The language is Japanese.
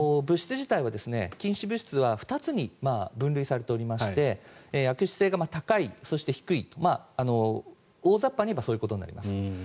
物質自体は禁止物質は２つに分類されておりまして悪質性が高いそして低い大雑把に言えばそういうことになります。